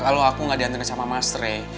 kalau aku gak diantara sama mas rey